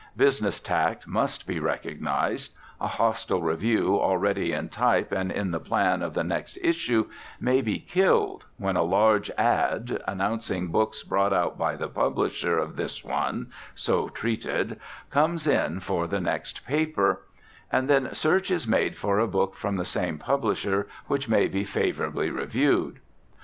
Business tact must be recognised. A hostile review already in type and in the plan of the next issue may be "killed" when a large "ad" announcing books brought out by the publisher of this one so treated comes in for the next paper; and then search is made for a book from the same publisher which may be favourably reviewed.